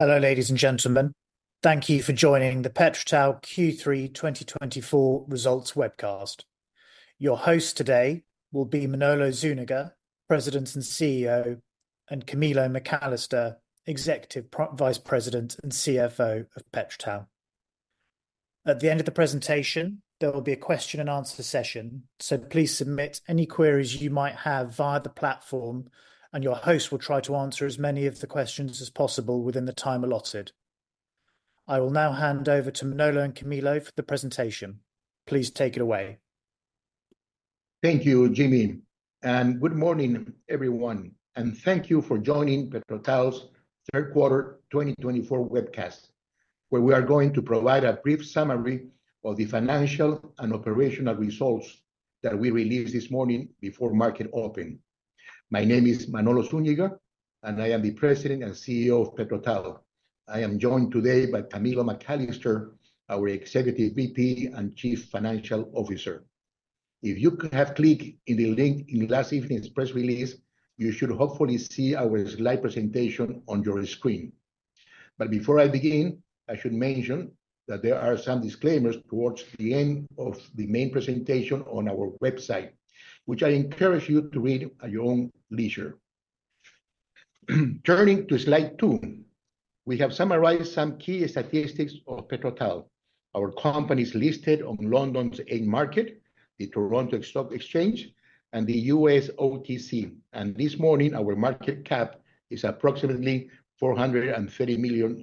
Hello, ladies and gentlemen. Thank you for joining the PetroTal Q3 2024 results webcast. Your host today will be Manolo Zúñiga, President and CEO, and Camilo McAllister, Executive Vice President and CFO of PetroTal. At the end of the presentation, there will be a question and answer session, so please submit any queries you might have via the platform, and your host will try to answer as many of the questions as possible within the time allotted. I will now hand over to Manolo and Camilo for the presentation. Please take it away. Thank you, Jimmy, and good morning, everyone. And thank you for joining PetroTal's third quarter 2024 webcast, where we are going to provide a brief summary of the financial and operational results that we released this morning before market open. My name is Manolo Zúñiga, and I am the President and CEO of PetroTal. I am joined today by Camilo McAllister, our Executive VP and Chief Financial Officer. If you have clicked on the link in the last evening's press release, you should hopefully see our slide presentation on your screen. But before I begin, I should mention that there are some disclaimers towards the end of the main presentation on our website, which I encourage you to read at your own leisure. Turning to slide two, we have summarized some key statistics of PetroTal. Our company is listed on London's AIM Market, the Toronto Stock Exchange, and the US OTC, and this morning our market cap is approximately $430 million.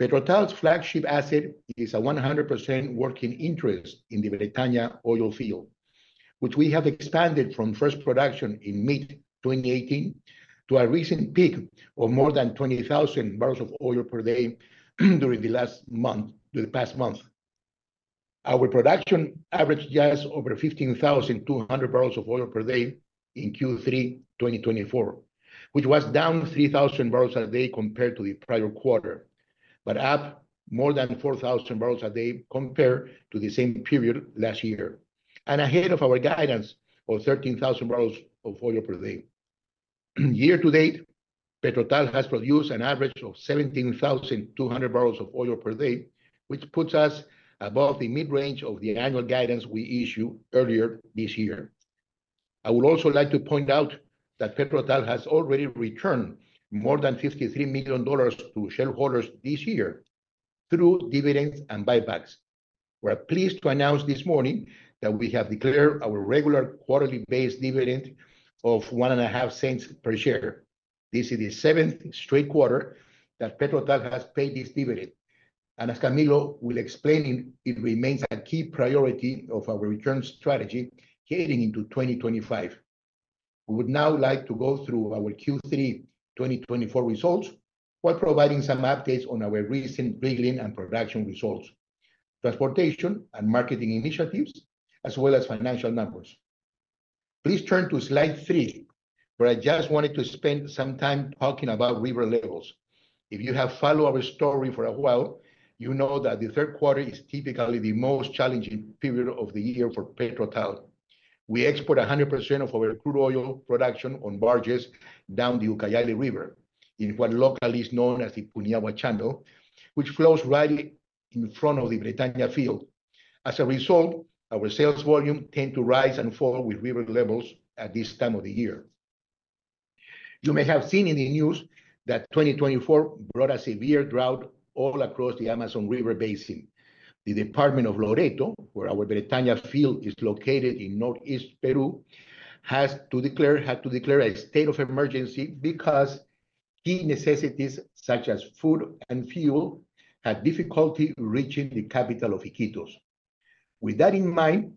PetroTal's flagship asset is a 100% working interest in the Bretaña oil field, which we have expanded from first production in mid-2018 to a recent peak of more than 20,000 bopd during the last month, the past month. Our production averaged just over 15,200 bopd in Q3 2024, which was down 3,000 bpd compared to the prior quarter, but up more than 4,000 bpd compared to the same period last year, and ahead of our guidance of 13,000 bopd. Year to date, PetroTal has produced an average of 17,200 bopd, which puts us above the mid-range of the annual guidance we issued earlier this year. I would also like to point out that PetroTal has already returned more than $53 million to shareholders this year through dividends and buybacks. We're pleased to announce this morning that we have declared our regular quarterly base dividend of $0.015 per share. This is the seventh straight quarter that PetroTal has paid this dividend, and as Camilo will explain, it remains a key priority of our return strategy heading into 2025. We would now like to go through our Q3 2024 results while providing some updates on our recent drilling and production results, transportation and marketing initiatives, as well as financial numbers. Please turn to slide three, where I just wanted to spend some time talking about river levels. If you have followed our story for a while, you know that the third quarter is typically the most challenging period of the year for PetroTal. We export 100% of our crude oil production on barges down the Ucayali River in what locally is known as the Puinahua Channel, which flows right in front of the Bretaña field. As a result, our sales volume tends to rise and fall with river levels at this time of the year. You may have seen in the news that 2024 brought a severe drought all across the Amazon River basin. The Department of Loreto, where our Bretaña field is located in northeast Peru, had to declare a state of emergency because key necessities such as food and fuel had difficulty reaching the capital of Iquitos. With that in mind,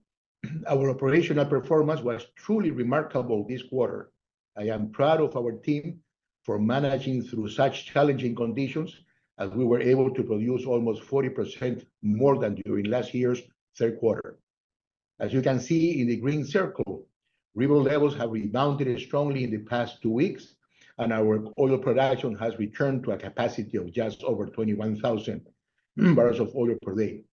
our operational performance was truly remarkable this quarter. I am proud of our team for managing through such challenging conditions as we were able to produce almost 40% more than during last year's third quarter. As you can see in the green circle, river levels have rebounded strongly in the past two weeks, and our oil production has returned to a capacity of just over 21,000 bopd.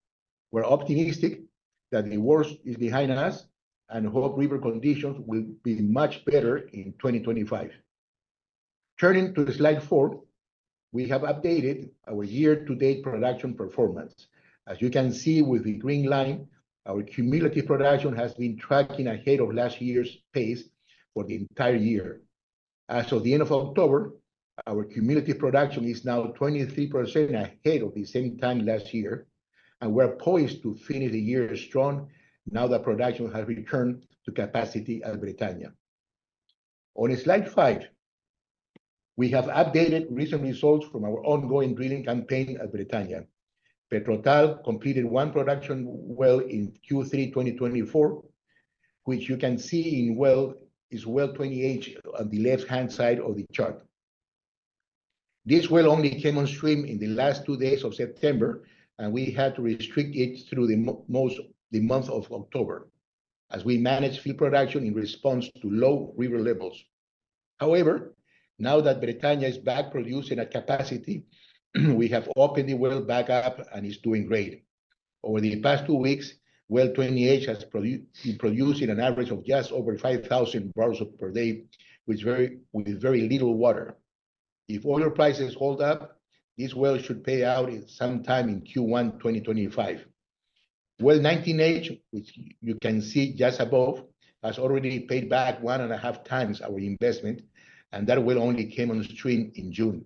We're optimistic that the worst is behind us and hope river conditions will be much better in 2025. Turning to slide four, we have updated our year-to-date production performance. As you can see with the green line, our cumulative production has been tracking ahead of last year's pace for the entire year. As of the end of October, our cumulative production is now 23% ahead of the same time last year, and we're poised to finish the year strong now that production has returned to capacity at Bretaña. On slide five, we have updated recent results from our ongoing drilling campaign at Bretaña. PetroTal completed one production well in Q3 2024, which you can see in Well 28 on the left-hand side of the chart. This well only came on stream in the last two days of September, and we had to restrict it through the month of October as we managed field production in response to low river levels. However, now that Bretaña is back producing at capacity, we have opened the well back up and it's doing great. Over the past two weeks, Well 28 has been producing an average of just over 5,000 bpd with very little water. If oil prices hold up, this well should pay out sometime in Q1 2025. Well 19H, which you can see just above, has already paid back one and a half times our investment, and that well only came on stream in June.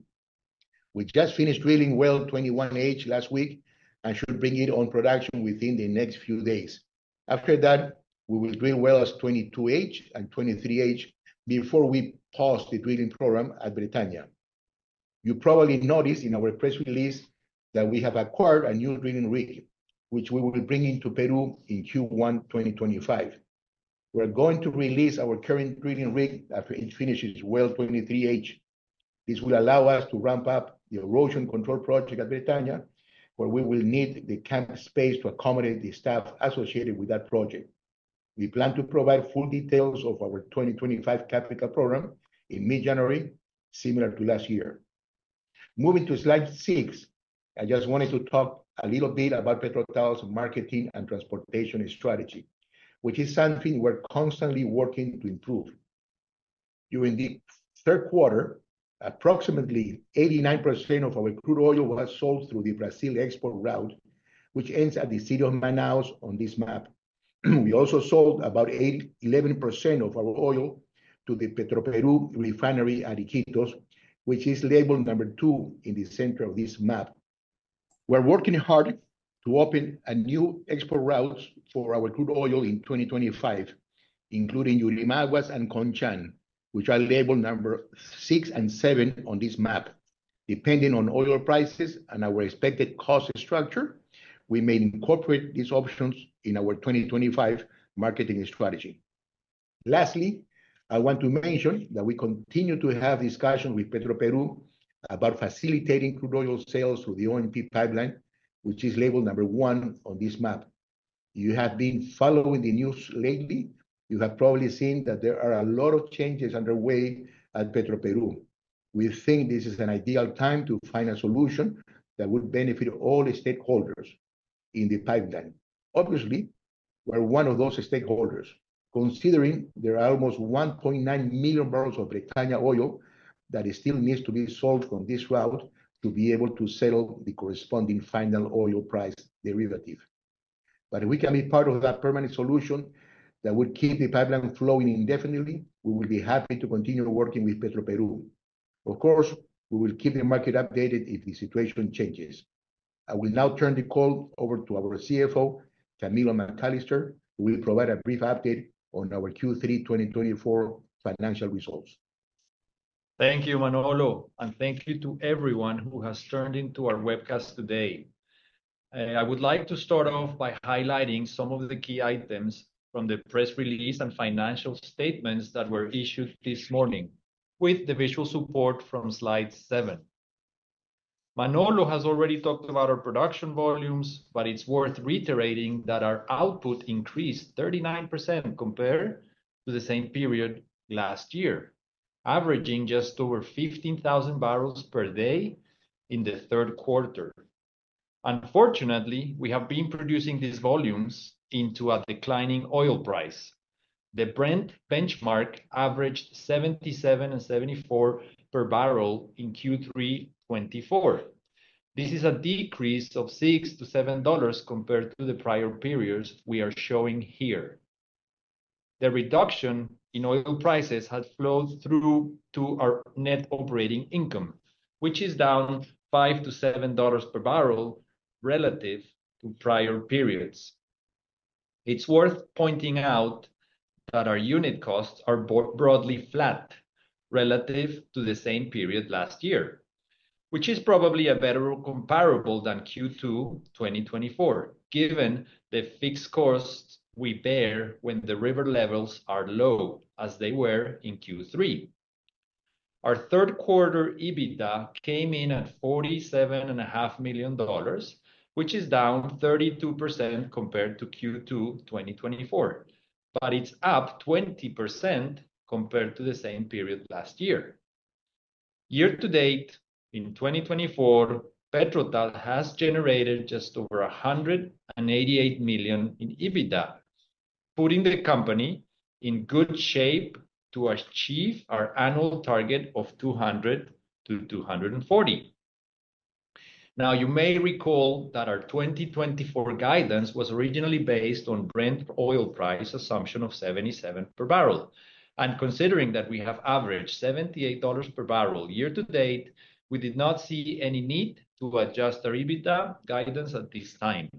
We just finished drilling Well 21H last week and should bring it on production within the next few days. After that, we will drill Wells 22H and 23H before we pause the drilling program at Bretaña. You probably noticed in our press release that we have acquired a new drilling rig, which we will bring into Peru in Q1 2025. We're going to release our current drilling rig after it finishes Well 23H. This will allow us to ramp up the erosion control project at Bretaña, where we will need the camp space to accommodate the staff associated with that project. We plan to provide full details of our 2025 capital program in mid-January, similar to last year. Moving to slide six, I just wanted to talk a little bit about PetroTal's marketing and transportation strategy, which is something we're constantly working to improve. During the third quarter, approximately 89% of our crude oil was sold through the Brazil export route, which ends at the city of Manaus on this map. We also sold about 11% of our oil to the Petroperú refinery at Iquitos, which is labeled number two in the center of this map. We're working hard to open a new export route for our crude oil in 2025, including Yurimaguas and Conchán, which are labeled number six and seven on this map. Depending on oil prices and our expected cost structure, we may incorporate these options in our 2025 marketing strategy. Lastly, I want to mention that we continue to have discussions with Petroperú about facilitating crude oil sales through the ONP pipeline, which is labeled number one on this map. You have been following the news lately. You have probably seen that there are a lot of changes underway at Petroperú. We think this is an ideal time to find a solution that would benefit all stakeholders in the pipeline. Obviously, we're one of those stakeholders, considering there are almost 1.9 MMbbl of Bretaña oil that still need to be sold on this route to be able to settle the corresponding final oil price derivative. But if we can be part of that permanent solution that would keep the pipeline flowing indefinitely, we will be happy to continue working with Petroperú. Of course, we will keep the market updated if the situation changes. I will now turn the call over to our CFO, Camilo McAllister, who will provide a brief update on our Q3 2024 financial results. Thank you, Manolo, and thank you to everyone who has turned into our webcast today. I would like to start off by highlighting some of the key items from the press release and financial statements that were issued this morning with the visual support from slide seven. Manolo has already talked about our production volumes, but it's worth reiterating that our output increased 39% compared to the same period last year, averaging just over 15,000 bpd in the third quarter. Unfortunately, we have been producing these volumes into a declining oil price. The Brent benchmark averaged $77 and $74 per barrel in Q3 2024. This is a decrease of $6-$7 compared to the prior periods we are showing here. The reduction in oil prices has flowed through to our net operating income, which is down $5-$7 per barrel relative to prior periods. It's worth pointing out that our unit costs are broadly flat relative to the same period last year, which is probably a better comparable than Q2 2024, given the fixed costs we bear when the river levels are low, as they were in Q3. Our third quarter EBITDA came in at $47.5 million, which is down 32% compared to Q2 2024, but it's up 20% compared to the same period last year. Year to date, in 2024, PetroTal has generated just over $188 million in EBITDA, putting the company in good shape to achieve our annual target of $200-$240. Now, you may recall that our 2024 guidance was originally based on Brent oil price assumption of $77 per barrel, and considering that we have averaged $78 per barrel year to date, we did not see any need to adjust our EBITDA guidance at this time.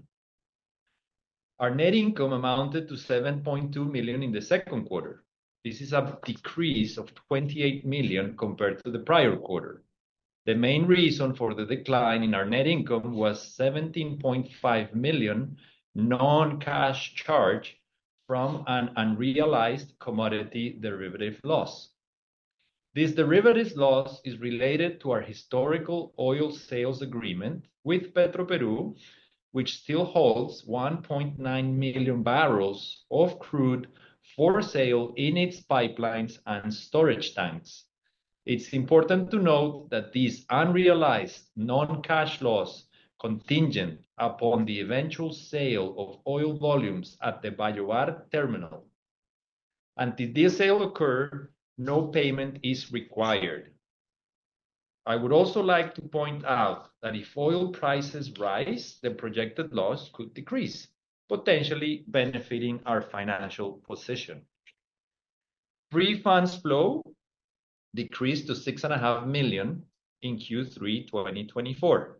Our net income amounted to $7.2 million in the second quarter. This is a decrease of $28 million compared to the prior quarter. The main reason for the decline in our net income was $17.5 million non-cash charge from an unrealized commodity derivative loss. This derivative loss is related to our historical oil sales agreement with Petroperú, which still holds 1.9 MMbbl of crude for sale in its pipelines and storage tanks. It's important to note that this unrealized non-cash loss contingent upon the eventual sale of oil volumes at the Bayovar terminal, and if this sale occurred, no payment is required. I would also like to point out that if oil prices rise, the projected loss could decrease, potentially benefiting our financial position. Funds flow decreased to $6.5 million in Q3 2024,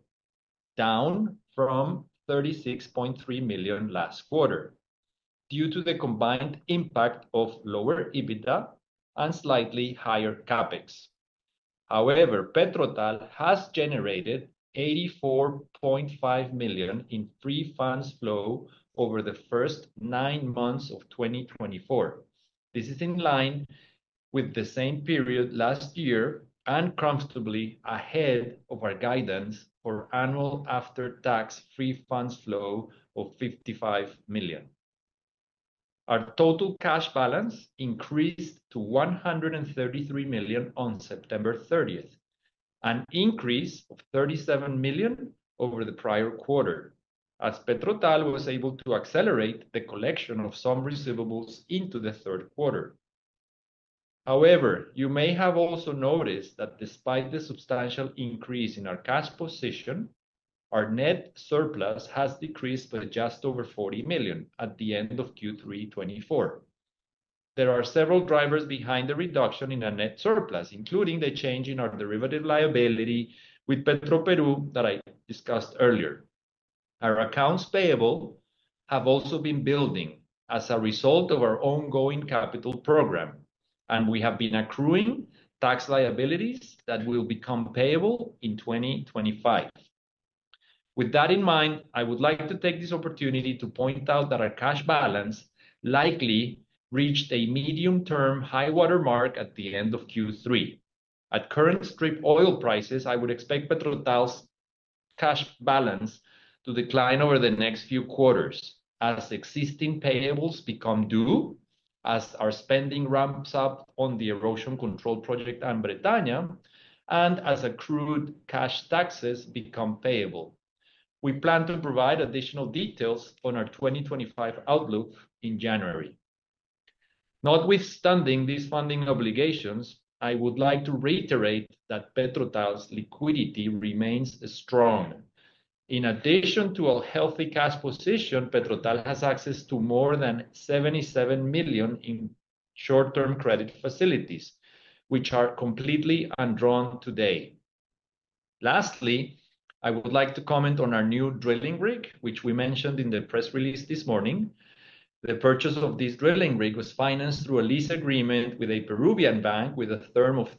down from $36.3 million last quarter due to the combined impact of lower EBITDA and slightly higher CapEx. However, PetroTal has generated $84.5 million in free funds flow over the first nine months of 2024. This is in line with the same period last year and comfortably ahead of our guidance for annual after-tax free funds flow of $55 million. Our total cash balance increased to $133 million on September 30th, an increase of $37 million over the prior quarter, as PetroTal was able to accelerate the collection of some receivables into the third quarter. However, you may have also noticed that despite the substantial increase in our cash position, our net surplus has decreased by just over $40 million at the end of Q3 2024. There are several drivers behind the reduction in our net surplus, including the change in our derivative liability with Petroperú that I discussed earlier. Our accounts payable have also been building as a result of our ongoing capital program, and we have been accruing tax liabilities that will become payable in 2025. With that in mind, I would like to take this opportunity to point out that our cash balance likely reached a medium-term high-water mark at the end of Q3. At current strip oil prices, I would expect PetroTal's cash balance to decline over the next few quarters as existing payables become due, as our spending ramps up on the erosion control project and Bretaña, and as accrued cash taxes become payable. We plan to provide additional details on our 2025 outlook in January. Notwithstanding these funding obligations, I would like to reiterate that PetroTal's liquidity remains strong. In addition to a healthy cash position, PetroTal has access to more than $77 million in short-term credit facilities, which are completely undrawn today. Lastly, I would like to comment on our new drilling rig, which we mentioned in the press release this morning. The purchase of this drilling rig was financed through a lease agreement with a Peruvian bank with a term of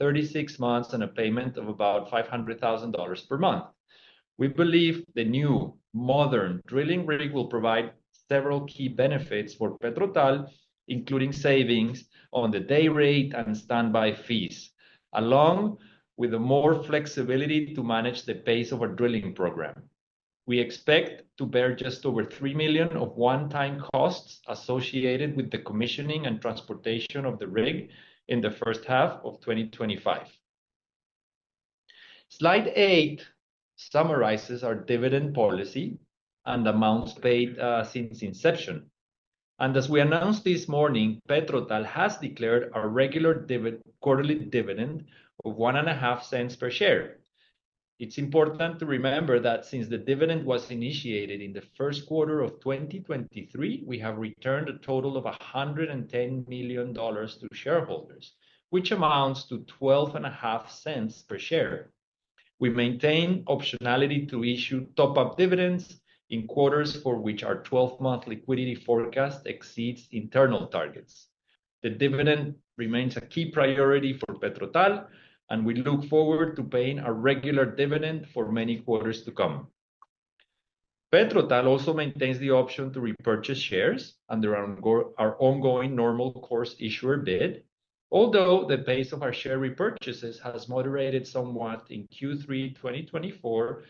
36 months and a payment of about $500,000 per month. We believe the new modern drilling rig will provide several key benefits for PetroTal, including savings on the day rate and standby fees, along with more flexibility to manage the pace of our drilling program. We expect to bear just over $3 million of one-time costs associated with the commissioning and transportation of the rig in the first half of 2025. Slide eight summarizes our dividend policy and amounts paid since inception. As we announced this morning, PetroTal has declared a regular quarterly dividend of $0.25 per share. It's important to remember that since the dividend was initiated in the first quarter of 2023, we have returned a total of $110 million to shareholders, which amounts to $0.12 per share. We maintain optionality to issue top-up dividends in quarters for which our 12-month liquidity forecast exceeds internal targets. The dividend remains a key priority for PetroTal, and we look forward to paying a regular dividend for many quarters to come. PetroTal also maintains the option to repurchase shares under our ongoing normal course issuer bid. Although the pace of our share repurchases has moderated somewhat in Q3 2024,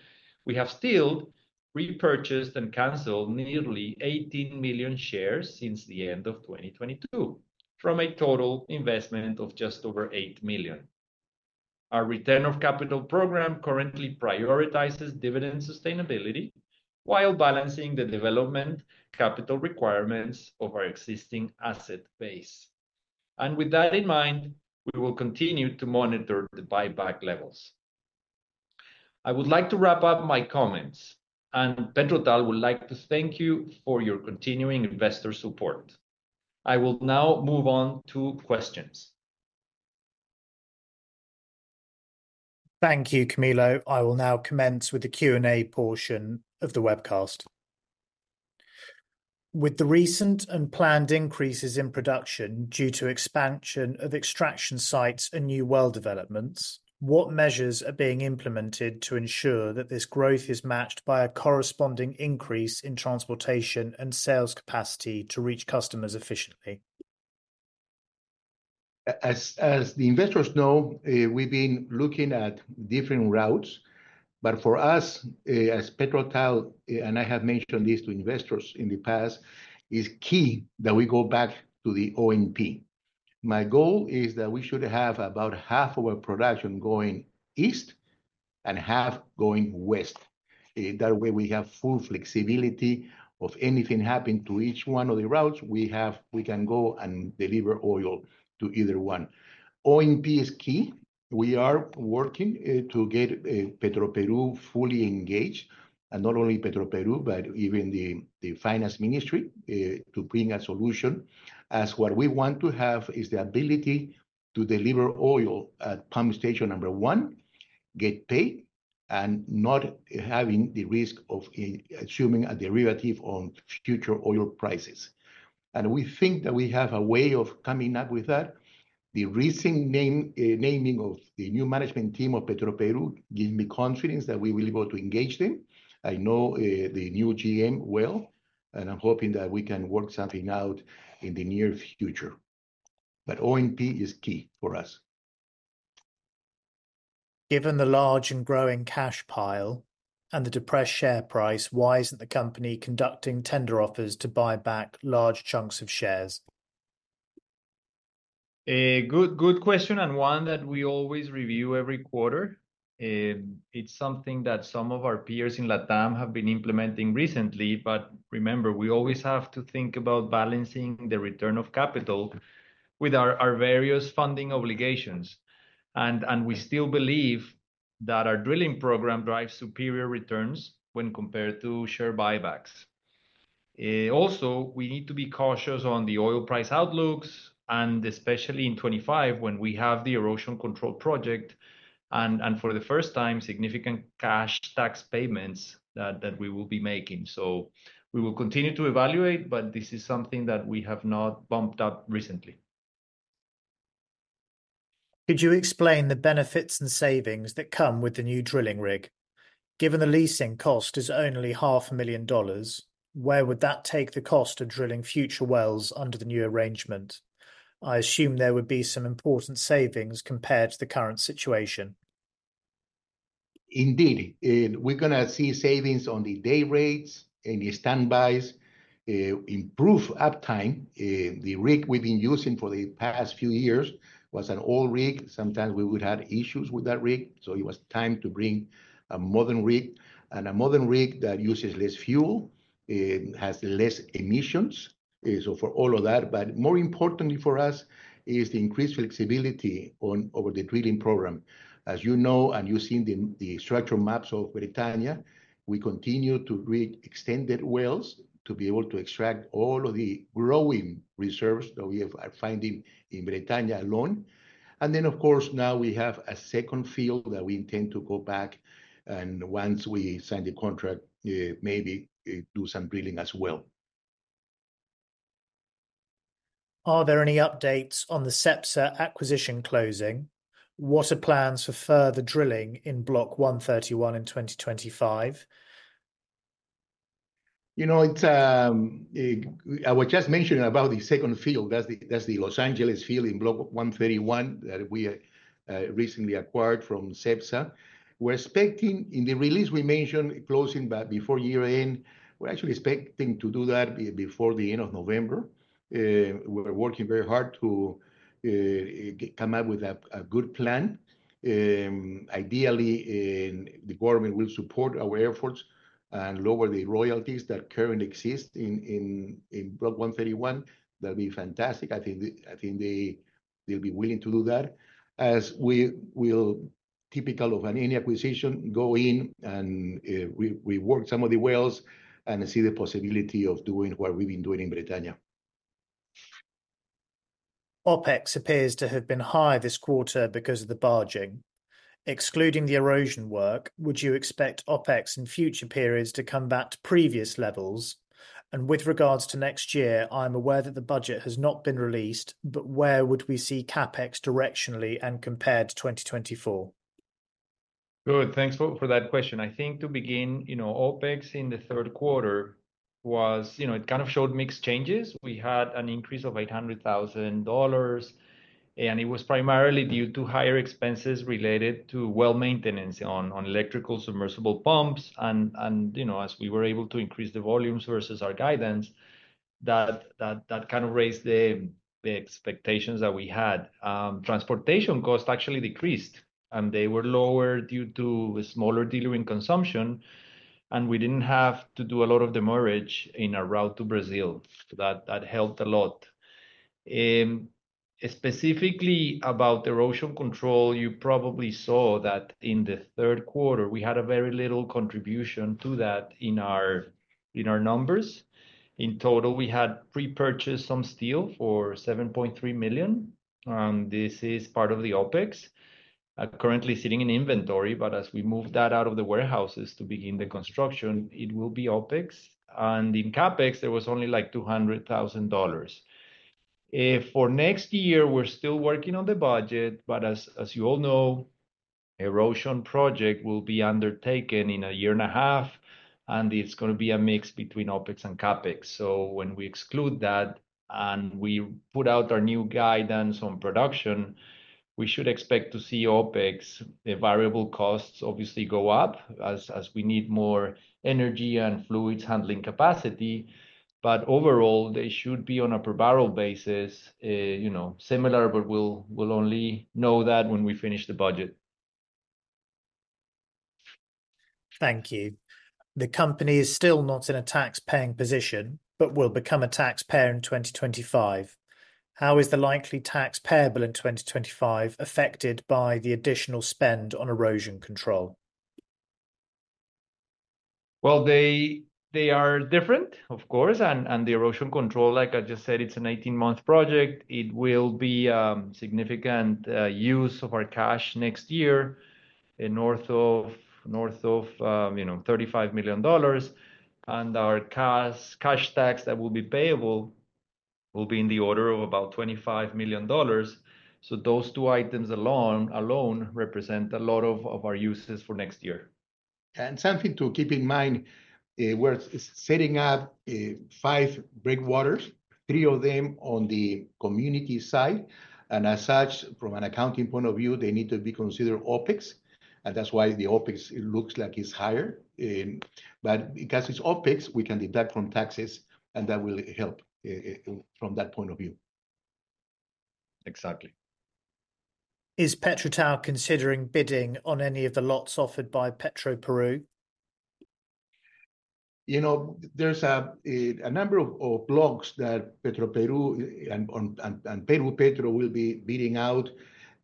we have still repurchased and canceled nearly 18 million shares since the end of 2022, from a total investment of just over $8 million. Our return of capital program currently prioritizes dividend sustainability while balancing the development capital requirements of our existing asset base, and with that in mind, we will continue to monitor the buyback levels. I would like to wrap up my comments, and PetroTal would like to thank you for your continuing investor support. I will now move on to questions. Thank you, Camilo. I will now commence with the Q&A portion of the webcast. With the recent and planned increases in production due to expansion of extraction sites and new well developments, what measures are being implemented to ensure that this growth is matched by a corresponding increase in transportation and sales capacity to reach customers efficiently? As the investors know, we've been looking at different routes, but for us, as PetroTal, and I have mentioned this to investors in the past, it's key that we go back to the ONP. My goal is that we should have about half of our production going east and half going west. That way, we have full flexibility of anything happen to each one of the routes. We can go and deliver oil to either one. ONP is key. We are working to get Petroperú fully engaged, and not only Petroperú, but even the finance ministry to bring a solution, as what we want to have is the ability to deliver oil at Pump Station Number One, get paid, and not having the risk of assuming a derivative on future oil prices. We think that we have a way of coming up with that. The recent naming of the new management team of Petroperú gives me confidence that we will be able to engage them. I know the new GM well, and I'm hoping that we can work something out in the near future. But ONP is key for us. Given the large and growing cash pile and the depressed share price, why isn't the company conducting tender offers to buy back large chunks of shares? Good question and one that we always review every quarter. It's something that some of our peers in LATAM have been implementing recently, but remember, we always have to think about balancing the return of capital with our various funding obligations. And we still believe that our drilling program drives superior returns when compared to share buybacks. Also, we need to be cautious on the oil price outlooks, and especially in 2025 when we have the erosion control project and for the first time significant cash tax payments that we will be making. So we will continue to evaluate, but this is something that we have not bumped up recently. Could you explain the benefits and savings that come with the new drilling rig? Given the leasing cost is only $500,000, where would that take the cost of drilling future wells under the new arrangement? I assume there would be some important savings compared to the current situation. Indeed. We're going to see savings on the day rates and the standbys, improved uptime. The rig we've been using for the past few years was an old rig. Sometimes we would have issues with that rig, so it was time to bring a modern rig, and a modern rig that uses less fuel has less emissions, so for all of that, but more importantly for us is the increased flexibility over the drilling program. As you know and you've seen the structure maps of Bretaña, we continue to rig extended wells to be able to extract all of the growing reserves that we are finding in Bretaña alone, and then, of course, now we have a second field that we intend to go back, and once we sign the contract, maybe do some drilling as well. Are there any updates on the CEPSA acquisition closing? What are plans for further drilling in Block 131 in 2025? You know, I was just mentioning about the second field. That's the Los Angeles Field in Block 131 that we recently acquired from CEPSA. We're expecting in the release we mentioned closing before year-end, we're actually expecting to do that before the end of November. We're working very hard to come up with a good plan. Ideally, the government will support our efforts and lower the royalties that currently exist in Block 131. That'd be fantastic. I think they'll be willing to do that. As we will, typical of any acquisition, go in and rework some of the wells and see the possibility of doing what we've been doing in Bretaña. OpEx appears to have been high this quarter because of the barging. Excluding the erosion work, would you expect OpEx in future periods to come back to previous levels? And with regards to next year, I'm aware that the budget has not been released, but where would we see CapEx directionally and compared to 2024? Good. Thanks for that question. I think to begin, OpEx in the third quarter was. It kind of showed mixed changes. We had an increase of $800,000, and it was primarily due to higher expenses related to well maintenance on electrical submersible pumps, and as we were able to increase the volumes versus our guidance, that kind of raised the expectations that we had. Transportation costs actually decreased, and they were lower due to smaller delivery and consumption, and we didn't have to do a lot of the barging in our route to Brazil. That helped a lot. Specifically about erosion control, you probably saw that in the third quarter, we had a very little contribution to that in our numbers. In total, we had pre-purchased some steel for $7.3 million, and this is part of the OpEx. Currently sitting in inventory, but as we move that out of the warehouses to begin the construction, it will be OpEx. In CapEx, there was only like $200,000. For next year, we're still working on the budget, but as you all know, erosion project will be undertaken in a year and a half, and it's going to be a mix between OpEx and CapEx. When we exclude that and we put out our new guidance on production, we should expect to see OpEx, the variable costs obviously go up as we need more energy and fluids handling capacity. Overall, they should be on a per barrel basis, similar, but we'll only know that when we finish the budget. Thank you. The company is still not in a tax-paying position, but will become a taxpayer in 2025. How is the likely tax payable in 2025 affected by the additional spend on erosion control? Well, they are different, of course. And the erosion control, like I just said, it's an 18-month project. It will be a significant use of our cash next year, north of $35 million. And our cash tax that will be payable will be in the order of about $25 million. So those two items alone represent a lot of our uses for next year. And something to keep in mind, we're setting up five breakwaters, three of them on the community side. And as such, from an accounting point of view, they need to be considered OpEx. And that's why the OpEx looks like it's higher. But because it's OpEx, we can deduct from taxes, and that will help from that point of view. Exactly. Is PetroTal considering bidding on any of the lots offered by Petroperú? You know, there's a number of blocks that Petroperú and Perupetro will be bidding out.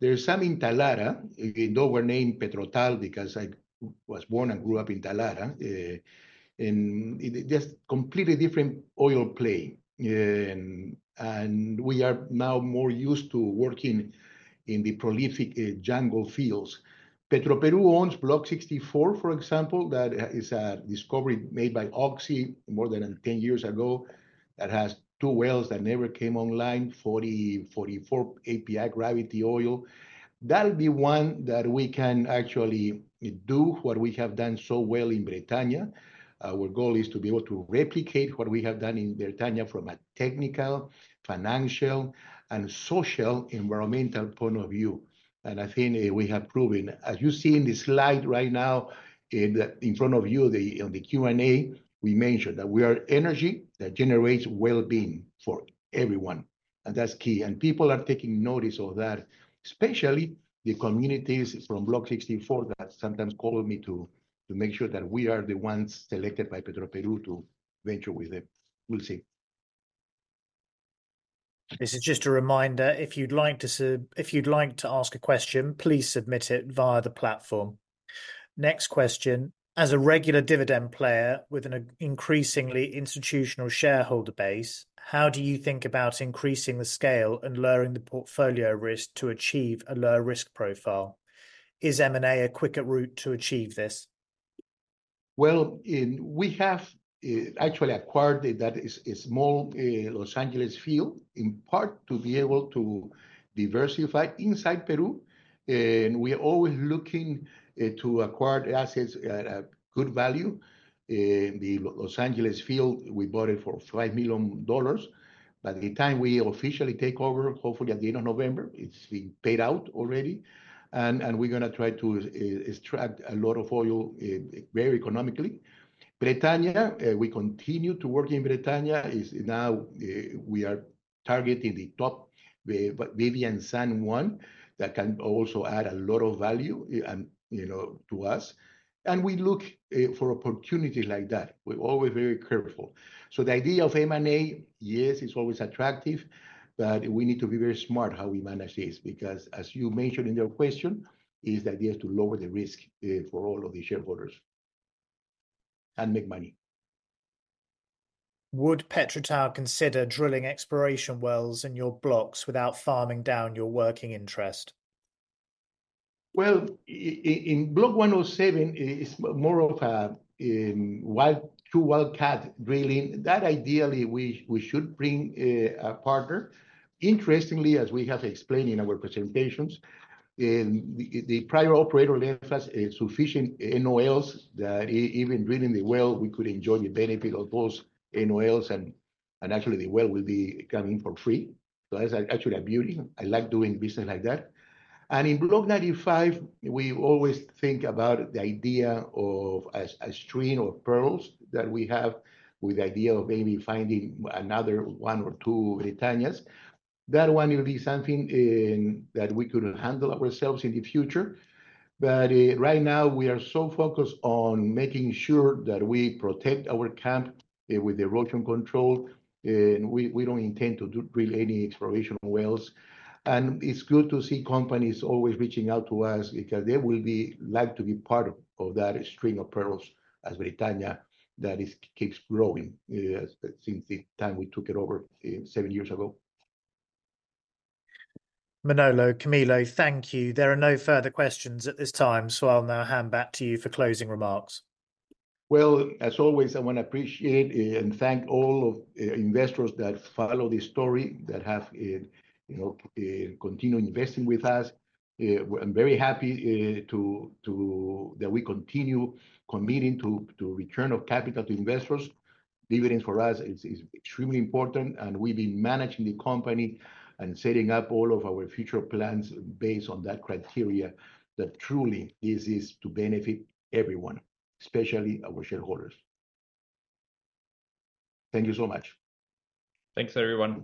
There's some in Talara, although we're named PetroTal because I was born and grew up in Talara. And it's just completely different oil play. And we are now more used to working in the prolific jungle fields. Petroperú owns Block 64, for example, that is a discovery made by Oxy more than 10 years ago that has two wells that never came online, 44 API gravity oil. That'll be one that we can actually do what we have done so well in Bretaña. Our goal is to be able to replicate what we have done in Bretaña from a technical, financial, and social environmental point of view. I think we have proven, as you see in this slide right now in front of you on the Q&A, we mentioned that we are energy that generates well-being for everyone. That's key. People are taking notice of that, especially the communities from Block 64 that sometimes call me to make sure that we are the ones selected by Petroperú to venture with it. We'll see. This is just a reminder. If you'd like to ask a question, please submit it via the platform. Next question. As a regular dividend player with an increasingly institutional shareholder base, how do you think about increasing the scale and lowering the portfolio risk to achieve a lower risk profile? Is M&A a quicker route to achieve this? We have actually acquired that small Los Angeles Field in part to be able to diversify inside Peru. We are always looking to acquire assets at a good value. The Los Angeles Field, we bought it for $5 million. By the time we officially take over, hopefully at the end of November, it's been paid out already. We're going to try to extract a lot of oil very economically. Bretaña, we continue to work in Bretaña. Now we are targeting the top Vivian Sand 1 that can also add a lot of value to us. We look for opportunities like that. We're always very careful. So the idea of M&A, yes, it's always attractive, but we need to be very smart how we manage this because, as you mentioned in your question, it's the idea to lower the risk for all of the shareholders and make money. Would PetroTal consider drilling exploration wells in your blocks without farming down your working interest? In Block 107, it's more of a true wildcat drilling. That ideally, we should bring a partner. Interestingly, as we have explained in our presentations, the prior operator left us sufficient NOLs that even drilling the well, we could enjoy the benefit of those NOLs, and actually the well will be coming for free. That's actually a beauty. I like doing business like that. In Block 95, we always think about the idea of a string of pearls that we have with the idea of maybe finding another one or two Bretaña. That one will be something that we could handle ourselves in the future. Right now, we are so focused on making sure that we protect our camp with erosion control. We don't intend to drill any exploration wells. It's good to see companies always reaching out to us because they would like to be part of that string of pearls as Bretaña that keeps growing since the time we took it over seven years ago. Manolo, Camilo, thank you. There are no further questions at this time, so I'll now hand back to you for closing remarks. As always, I want to appreciate and thank all of the investors that follow the story that have continued investing with us. I'm very happy that we continue committing to return of capital to investors. Dividends for us is extremely important, and we've been managing the company and setting up all of our future plans based on that criteria that truly this is to benefit everyone, especially our shareholders. Thank you so much. Thanks, everyone.